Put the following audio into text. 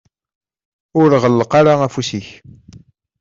Ur ɣelleq ara afus-ik.